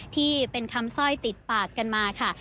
ที่เป็นคำสร้อยติดปากกันมาค่ะ